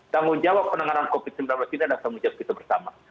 tanggung jawab penanganan covid sembilan belas ini adalah tanggung jawab kita bersama